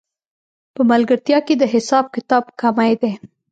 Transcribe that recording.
په ملګرتیا کې د حساب کتاب کمی دی